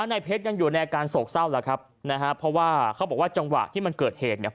ในเพชรยังอยู่ในอาการโศกเศร้าแล้วครับนะฮะเพราะว่าเขาบอกว่าจังหวะที่มันเกิดเหตุเนี่ย